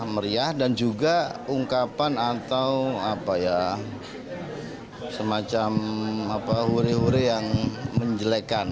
meriah dan juga ungkapan atau semacam huri huri yang menjelekan